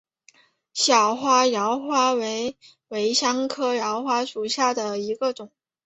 小花荛花为瑞香科荛花属下的一个种。